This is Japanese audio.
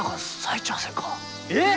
えっ！？